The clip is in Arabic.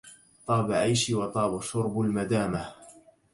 طاب عيشي وطاب شرب المدامه